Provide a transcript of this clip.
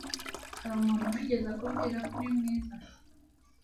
Hari umuntu wigeze akubwira ko uri mwiza?